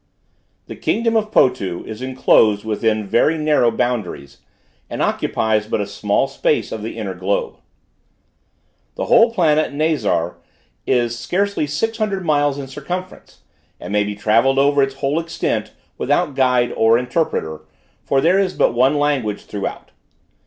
The kingdom of Potu is enclosed within very narrow boundaries, and occupies but a small space of the inner globe. The whole planet Nazar is scarcely six hundred miles in circumference, and may be travelled over its whole extent without guide or interpreter, for there is but one language throughout.